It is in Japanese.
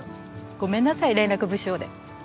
ごめんなさい連絡不精で。